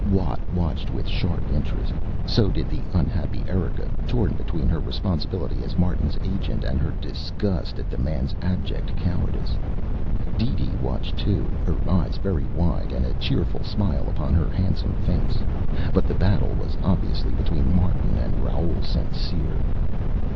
Watt watched with sharp interest. So did the unhappy Erika, torn between her responsibility as Martin's agent and her disgust at the man's abject cowardice. DeeDee watched too, her eyes very wide and a cheerful smile upon her handsome face. But the battle was obviously between Martin and Raoul St. Cyr.